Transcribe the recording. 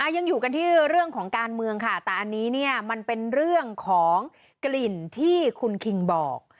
ยังอยู่กันที่เรื่องของการเมืองค่ะแต่อันนี้เนี่ยมันเป็นเรื่องของกลิ่นที่คุณคิงบอก